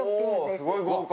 すごい豪華！